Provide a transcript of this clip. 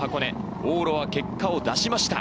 往路は結果を出しました。